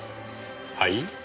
はい？